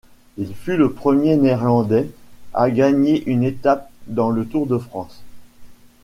Il fut le premier Néerlandais à gagner une étape dans le Tour de France.